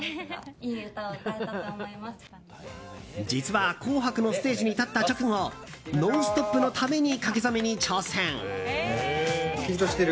実は、「紅白」のステージに立った直後「ノンストップ！」のために書き初めに挑戦。